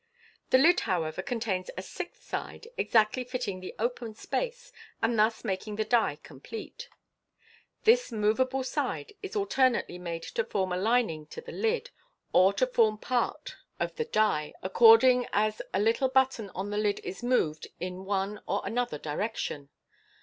The lid, however, contains a sixth side, exactly fitting the open space, and thus making the die complete. This moveable side is alternately made to form a lining to the lid or to form part of 424 MODERN MAGIC the die, according as a little button on the lid is moved in one or another direction.